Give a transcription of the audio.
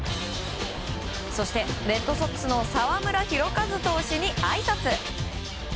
そしてレッドソックスの澤村拓一投手にあいさつ。